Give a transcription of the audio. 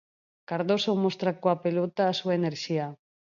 Cardoso mostra coa pelota a súa enerxía.